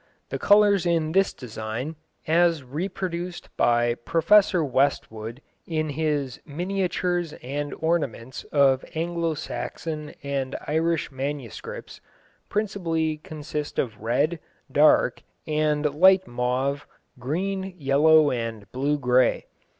The colours in this design, as reproduced by Professor Westwood in his Miniatures and Ornaments of Anglo Saxon and Irish Manuscripts, principally consist of red, dark and light mauve, green, yellow, and blue grey.